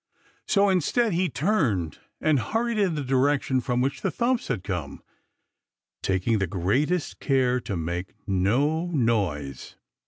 So instead, he turned and hurried in the direction from which the thumps had come, taking the greatest care to make no noise.